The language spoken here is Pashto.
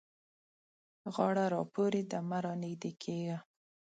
غاړه را پورې ده؛ مه رانږدې کېږه.